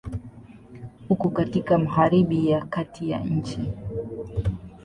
Uko katika Magharibi ya kati ya nchi.